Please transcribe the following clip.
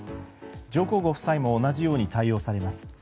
上皇ご夫妻も同じように対応されます。